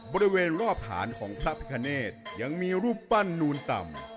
บริเวณรอบฐานของพระพิคเนธยังมีรูปปั้นนูนต่ำ